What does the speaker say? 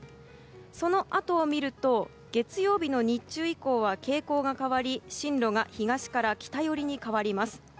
そのあとを見ると月曜日の日中以降は傾向が変わり、進路が東から北寄りに変わります。